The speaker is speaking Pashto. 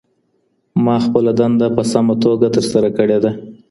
ما خپله دنده په سمه توګه ترسره کړې ده.